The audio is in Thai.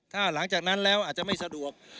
ถ้าหลังจากนั้นแล้วอาจจะไม่สะดวก